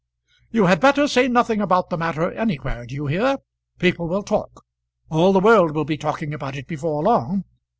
"You had better say nothing about the matter anywhere; d'you hear? People will talk; all the world will be talking about it before long.